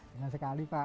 senang sekali pak